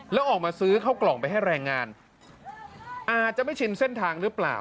แล้วออกมาซื้อเข้ากล่องไปให้แรงงานอาจจะไม่ชินเส้นทางหรือเปล่า